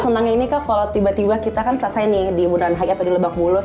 senangnya ini kak kalau tiba tiba kita kan selesai nih di bundaran hi atau di lebak bulus